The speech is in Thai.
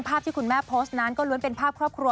ที่คุณแม่โพสต์นั้นก็ล้วนเป็นภาพครอบครัว